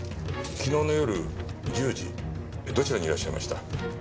昨日の夜１０時どちらにいらっしゃいました？